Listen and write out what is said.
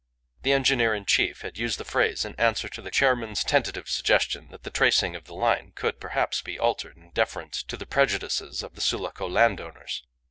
The engineer in chief had used the phrase in answer to the chairman's tentative suggestion that the tracing of the line could, perhaps, be altered in deference to the prejudices of the Sulaco landowners.